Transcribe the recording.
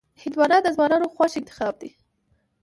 هندوانه د ځوانانو خوښ انتخاب دی.